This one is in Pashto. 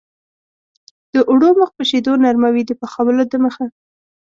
د اوړو مخ په شیدو نرموي د پخولو دمخه.